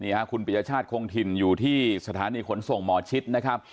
คุณปริญญชาติคงถิ่นอยู่ที่สถานีขนส่งหมอชิดนะครับ